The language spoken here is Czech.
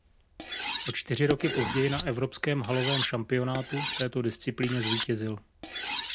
O čtyři roky později na evropském halovém šampionátu v této disciplíně zvítězil.